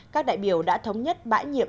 các đại biểu đã thống nhất bãi nhiệm